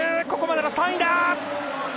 ここまでの３位だ。